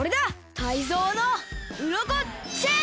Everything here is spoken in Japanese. タイゾウのウロコチェーン！